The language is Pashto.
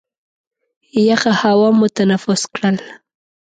یخه هوا مو تنفس کړل.